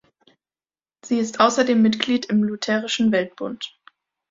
Sie ist außerdem Mitglied im Lutherischen Weltbund.